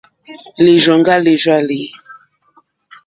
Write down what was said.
Lírzòŋɡá lìrzàlì.